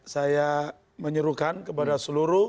saya menyuruhkan kepada seluruh